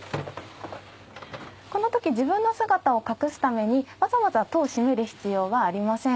このとき自分の姿を隠すためにわざわざ戸を閉める必要はありません。